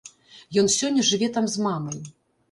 Ён сёння жыве там з мамай.